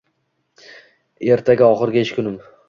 Ertaga oxirgi ish kunim